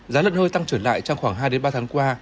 giá lợn hơi tăng trở lại trong khoảng hai ba tháng qua